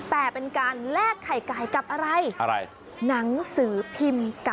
แต่เป็นการแลกไข่ไก่กับอะไร